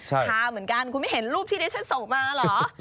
ทาเหมือนกันคุณไม่เห็นรูปที่ดิฉันส่งมาเหรอ